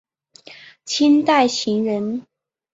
清代琴人。